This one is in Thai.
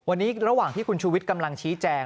วันนี้ระหว่างที่คุณชูวิทย์กำลังชี้แจง